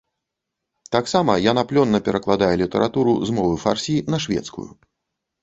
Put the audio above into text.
Таксама яна плённа перакладае літаратуру з мовы фарсі на шведскую.